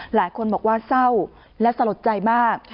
หลายคนบอกว่าเศร้าและสลดใจมาก